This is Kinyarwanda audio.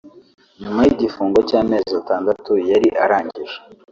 nyuma y’igifungo cy’amezi atandatu yari arangije